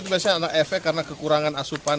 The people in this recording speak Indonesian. itu biasanya ada efek karena kekurangan asupan